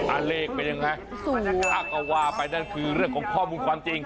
อันเลขเป็นยังไงสูงถ้าเขาว่าไปนั่นคือเรื่องของข้อมูลความจริง